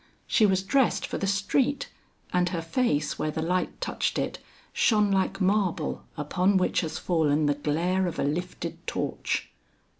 She was dressed for the street, and her face where the light touched it, shone like marble upon which has fallen the glare of a lifted torch.